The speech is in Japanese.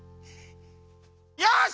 よし！